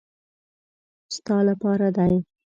ستا له پاره دي .